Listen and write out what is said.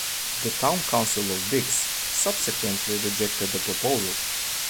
The town council of Biggs subsequently rejected the proposal.